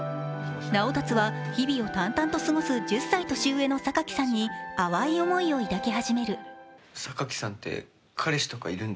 直達は日々を淡々と過ごす１０歳年上の榊さんに、淡い思いを抱き始める。